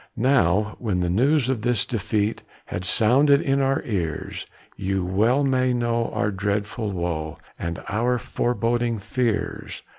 Now, when the news of this defeat Had sounded in our ears, You well may know our dreadful woe, And our foreboding fears.